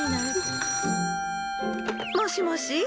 ☎もしもし。